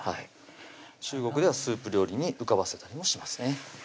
中国ではスープ料理に浮かばせたりもしますね